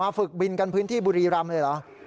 ฝึกบินกันพื้นที่บุรีรำเลยเหรอ